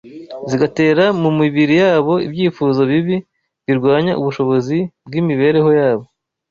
zigatera mu mibiri yabo ibyifuzo bibi birwanya ubushobozi bw’imibereho yabo